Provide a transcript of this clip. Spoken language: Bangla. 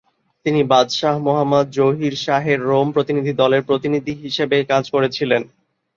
তিনি বাদশাহ মোহাম্মদ জহির শাহের রোম প্রতিনিধি দলের প্রতিনিধি হিসেবে কাজ করেছিলেন।